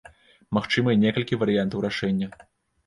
Магчымыя некалькі варыянтаў рашэння.